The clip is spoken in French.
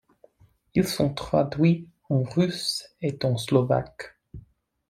Ils sont traduits en russe et en slovaque.